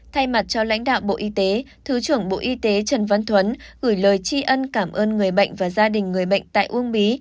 thay mặt cho lãnh đạo bộ y tế thứ trưởng bộ y tế trần văn thuấn gửi lời tri ân cảm ơn người bệnh và gia đình người bệnh tại uông bí